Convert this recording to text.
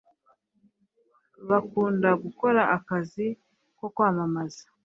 bakunda gukora akazi ko kwamamaza